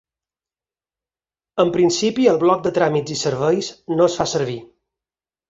En principi, el bloc de tràmits i serveis no es fa servir.